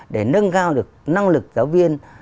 để nâng cao được năng lực giáo viên